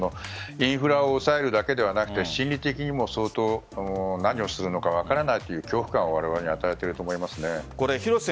インフラを押さえるだけではなく心理的にも相当何をするのか分からないという恐怖感をわれわれに与えていると思います。